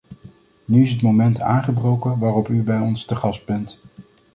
Nu is het moment aangebroken waarop u bij ons te gast bent.